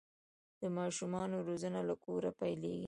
د ماشومانو روزنه له کوره پیلیږي.